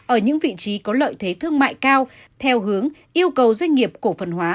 ở những vị trí có lợi thế thương mại cao theo hướng yêu cầu doanh nghiệp cổ phần hóa